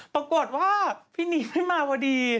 ปรากฏว่าพี่หนีไม่มาพอดี